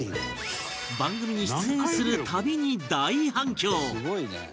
番組に出演するたびに大反響